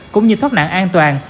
cũng như thoát nạn an toàn